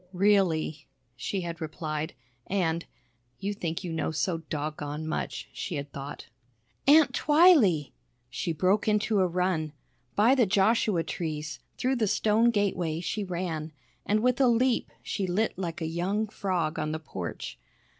"Really?" she had replied, and you think you know so doggone much, she had thought. "Aunt Twylee!" She broke into a run. By the Joshua trees, through the stone gateway she ran, and with a leap she lit like a young frog on the porch.